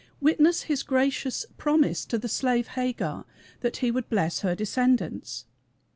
Witness his gracious promise to the slave Hagar that he would bless her descendants.